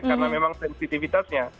karena memang sensitivitasnya